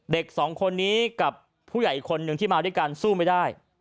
เด็กสองคนนี้กับผู้ใหญ่อีกคนนึงที่มาด้วยกันสู้ไม่ได้